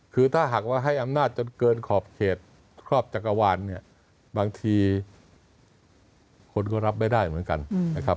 คือถ้าหากว่าให้อำนาจจนเกินขอบเขตครอบจักรวาลเนี่ยบางทีคนก็รับไม่ได้เหมือนกันนะครับ